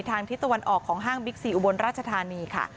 ทิศตะวันออกของห้างบิ๊กซีอุบลราชธานีค่ะ